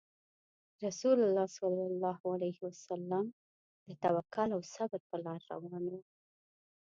رسول الله صلى الله عليه وسلم د توکل او صبر په لار روان وو.